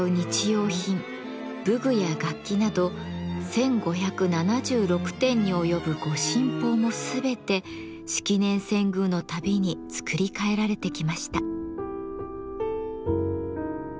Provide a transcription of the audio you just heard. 用品武具や楽器など１，５７６点に及ぶ御神宝も全て式年遷宮のたびに作り替えられてきました。